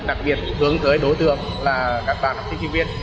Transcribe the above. đặc biệt hướng tới đối tượng